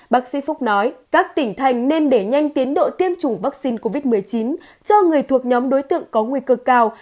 bác sĩ phúc nói các tỉnh thành nên để nhanh tiến độ tiêm chủng vaccine covid một mươi chín cho người thuộc nhóm đối tượng có nguy cơ cao